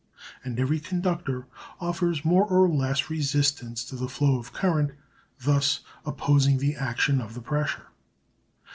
And every conductor offers more or less resistance to the flow of current, thus opposing the action of the pressure.